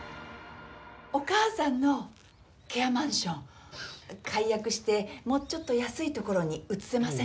お母さんのケアマンション解約してもうちょっと安い所に移せません？